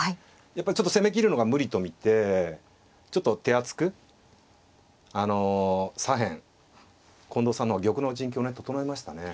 やっぱりちょっと攻めきるのが無理と見てちょっと手厚くあの左辺近藤さんの方は玉の陣形をね整えましたね。